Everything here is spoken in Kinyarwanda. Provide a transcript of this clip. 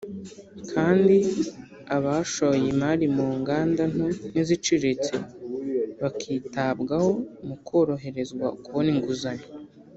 kandi abashoye imari mu nganda nto n’iziciriritse bakitabwaho mu koroherezwa kubona inguzanyo